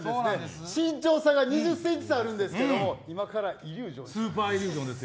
身長差が２０センチ差あるんですけど今からイリュージョンします。